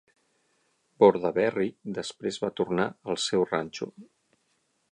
Bordaberry després va tornar al seu ranxo.